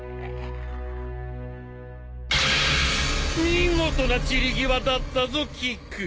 見事な散り際だったぞ菊。